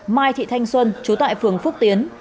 mai thị thanh xuân chú tại phường phước tiến